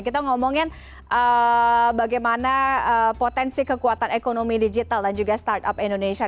kita ngomongin bagaimana potensi kekuatan ekonomi digital dan juga startup indonesia